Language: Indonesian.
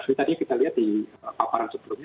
jadi tadi kita lihat di paparan sebelumnya